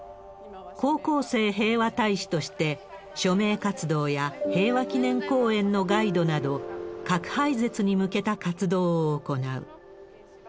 高校生平和大使として署名活動や平和記念公園のガイドなど、核廃絶に向けた活動を行う。